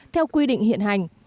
theo quy định hiện hành